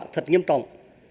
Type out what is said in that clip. thật nghiêm trọng